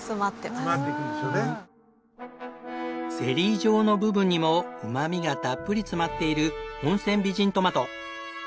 ゼリー状の部分にもうま味がたっぷり詰まっている温泉美人トマト。